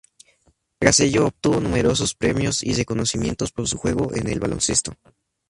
Tras ello obtuvo numerosos premios y reconocimientos por su juego en el baloncesto.